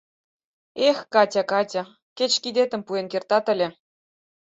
— Эх, Катя, Катя, кеч кидетым пуэн кертат ыле...»